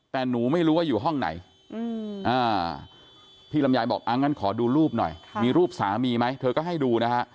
แต่หนูไม่รู้ว่าอยู่ห้องไหนพี่ลำไยบอกงั้นขอดูรูปหน่อยมีรูปสามีไหมเธอก็ให้ดูนะฮะ